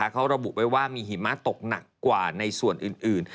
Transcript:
เขาระบุไว้ว่ามีหิมะตกหนักกว่าในส่วนอื่น